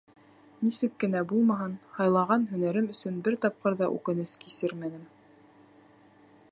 Нисек кенә булмаһын, һайлаған һөнәрем өсөн бер тапҡыр ҙа үкенес кисермәнем.